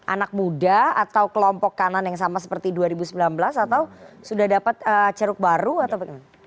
anak muda atau kelompok kanan yang sama seperti dua ribu sembilan belas atau sudah dapat ceruk baru atau bagaimana